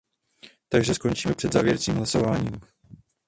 Takže skončíme před závěrečným hlasováním.